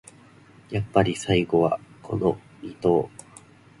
やっぱり最後はこのニ頭